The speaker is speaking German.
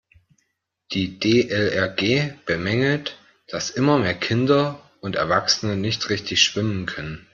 Die DLRG bemängelt, dass immer mehr Kinder und Erwachsene nicht richtig schwimmen können.